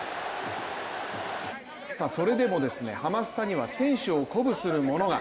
それでもハマスタには選手を鼓舞するものが。